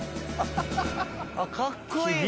あっかっこいいっすね。